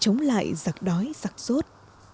chống lại giặc đói giặc sốt